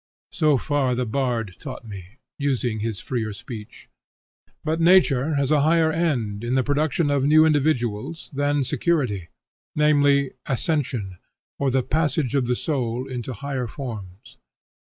So far the bard taught me, using his freer speech. But nature has a higher end, in the production of New individuals, than security, namely ascension, or the passage of the soul into higher forms.